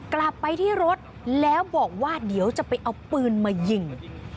กลับไปที่รถแล้วบอกว่าเดี๋ยวจะไปเอาปืนมายิง